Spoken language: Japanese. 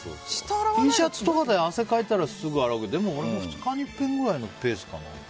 Ｔシャツとかで汗かいたらすぐ洗うけど俺も２日にいっぺんくらいのペースかな。